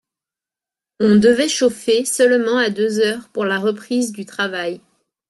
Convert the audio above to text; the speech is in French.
On devait chauffer seulement à deux heures, pour la reprise du travail.